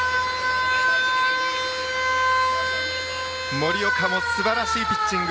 森岡もすばらしいピッチング。